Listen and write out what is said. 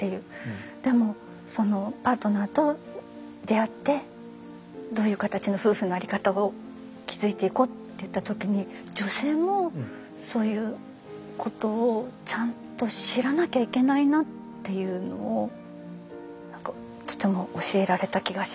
でもそのパートナーと出会ってどういう形の夫婦の在り方を築いていこうっていった時に女性もそういうことをちゃんと知らなきゃいけないなっていうのをとても教えられた気がします。